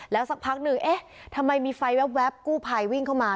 สักพักหนึ่งเอ๊ะทำไมมีไฟแว๊บกู้ภัยวิ่งเข้ามา